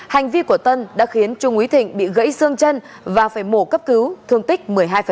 hành vi của tân đã khiến trung úy thịnh bị gãy xương chân và phải mổ cấp cứu thương tích một mươi hai